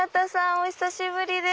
お久しぶりです。